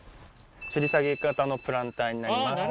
つり下げ型のプランターになります。